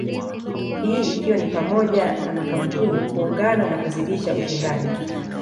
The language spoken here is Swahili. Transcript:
Hii ikiwa ni pamoja na makampuni kuungana na kuzidisha ushindani.